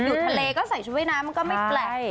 อยู่ทะเลก็ใส่ชุดว่ายน้ำมันก็ไม่แปลก